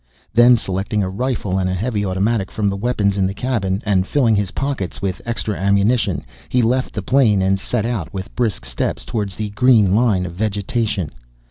Then, selecting a rifle and a heavy automatic from the weapons in the cabin, and filling his pockets with extra ammunition, he left the plane and set out with brisk steps toward the green line of vegetation.